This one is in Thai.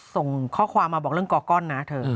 ส่งข้อความมาบอกเรื่องกอก้อนนะเธอ